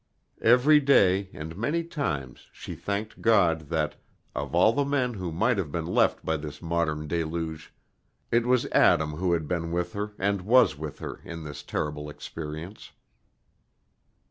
Every day and many times she thanked God that, of all the men who might have been left by this modern deluge, it was Adam who had been with her and was with her in this terrible experience.